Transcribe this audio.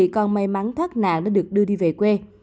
con may mắn thoát nạn đã được đưa đi về quê